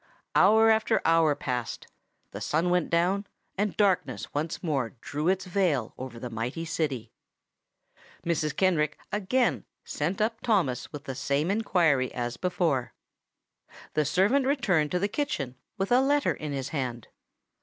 Hour after hour passed; the sun went down; and darkness once more drew its veil over the mighty city. Mrs. Kenrick again sent up Thomas with the same inquiry as before. The servant returned to the kitchen with a letter in his hand.